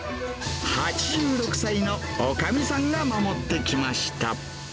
８６歳のおかみさんが守ってきました。